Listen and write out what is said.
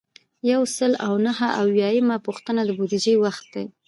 یو سل او نهه اویایمه پوښتنه د بودیجې وخت دی.